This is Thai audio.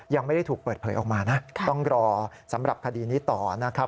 ยังไม่ได้ถูกเปิดเผยออกมานะต้องรอสำหรับคดีนี้ต่อนะครับ